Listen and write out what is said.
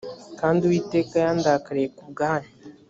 kandi uwiteka yandakariye ku bwanyu